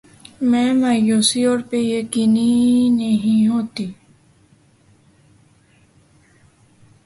میں مایوسی اور بے یقینی نہیں ہوتی